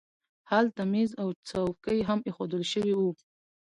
هلته مېز او څوکۍ هم اېښودل شوي وو